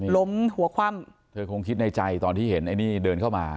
ล้มหัวคว่ำเธอคงคิดในใจตอนที่เห็นไอ้นี่เดินเข้ามา